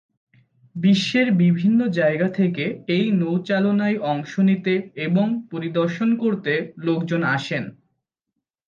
বিশ্বের বিভিন্ন জায়গা থেকে এই নৌচালনায় অংশ নিতে এবং পরিদর্শন করতে লোকজন আসেন।